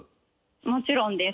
もちろんです。